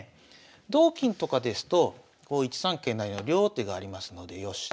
同金とかですと１三桂成の両王手がありますのでよし。